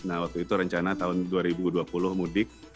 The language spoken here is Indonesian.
nah waktu itu rencana tahun dua ribu dua puluh mudik